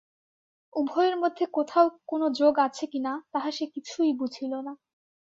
উভয়ের মধ্যে কোথাও কোনো যোগ আছে কি না, তাহা সে কিছুই বুঝিল না।